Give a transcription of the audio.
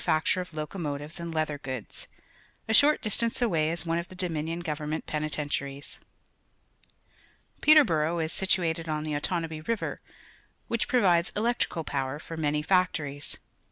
facture of locomotives and leather goods. A short distance away is one of the Dominion Government penitentiaries. ONTARIO 89 Peterborough is situated on the Otonabee River, wWch provides electrical power for many factories.